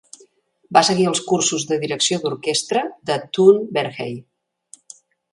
Va seguir els cursos de direcció d'orquestra de Toon Verhey.